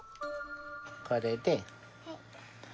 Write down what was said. これで。